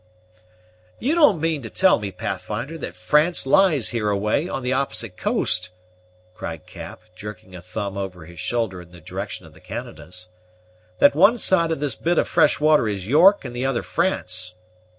"You don't mean to tell me, Pathfinder, that France lies hereaway, on the opposite coast?" cried Cap, jerking a thumb over his shoulder in the direction of the Canadas; "that one side of this bit of fresh water is York, and the other France?"